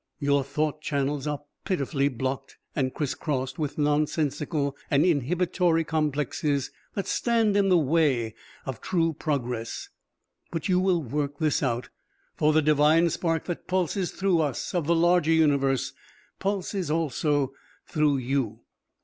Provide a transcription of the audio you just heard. Your thought channels are pitifully blocked and criss crossed with nonsensical and inhibitory complexes that stand in the way of true progress. But you will work this out, for the Divine Spark that pulses through us of the Larger Universe, pulses also through you.